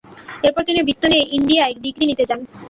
এরপর তিনি বৃত্তি নিয়ে ইন্ডিয়ানায় ডিগ্রি নিতে যান।